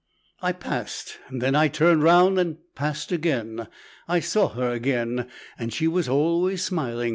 I passed, and then I turned round, and passed again. I saw her again, and she was always smiling.